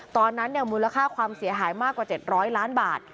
ตอนนั้นมูลค่าความเสียหายมากกว่า๗๐๐ล้านบาท